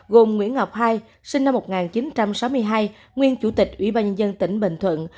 gồm nguyễn ngọc hai sinh năm một nghìn chín trăm sáu mươi hai nguyên chủ tịch ủy ban nhân dân tỉnh bình thuận